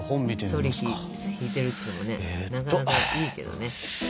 そり引いてるっていうのもねなかなかいいけどね。